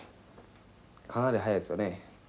かなり早いですよね。